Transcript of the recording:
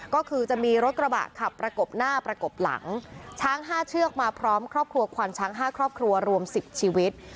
ก็คือจะมีรถกระบะขับประกบหน้าประกบหลังช้าง๕เชือกมาพร้อมครอบครัวควานช้าง๕ครอบครัวรวม๑๐ชีวิต